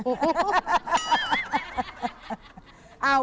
ไอ้จ้านหัวเราะหนู